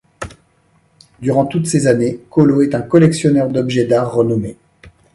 Durant toutes ces années, Collot est un collectionneur d'objets d'art renommé.